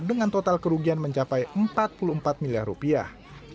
dengan total kerugian mencapai empat puluh empat miliar rupiah